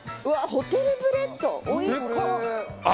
うわっホテルブレッド。